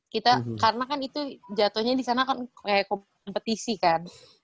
kita karena kan itu jatohnya disana kan kayak kompetisi kan